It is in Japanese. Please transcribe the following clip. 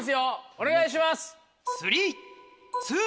お願いします。